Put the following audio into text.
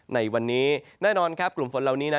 ในวันนี้แน่นอนครับกลุ่มฝน